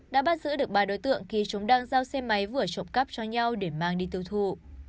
đã bắt giữ được ba đối tượng khi chúng đang giao xe máy vừa trộm cắp cho nhau để mang đi tiêu thụ